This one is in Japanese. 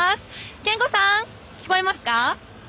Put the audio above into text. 憲剛さん、聞こえますか。